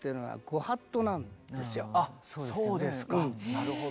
なるほど。